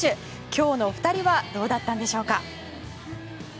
今日の２人はどうだったんでしょうか。